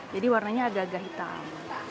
jadi warnanya agak agak hitam